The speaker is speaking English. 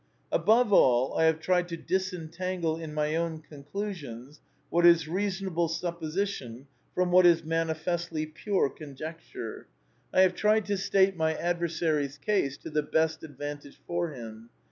Above all, I have tried to dis entangle in my own conclusions what is reasonable sup position from what is manifestly pure conjecture. I have tried to state my adversary's case to the best advantage for him.